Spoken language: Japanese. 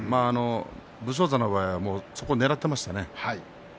武将山の方はそこをねらっていましたね。